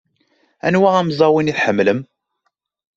Anwa amẓawan i tḥemmlem?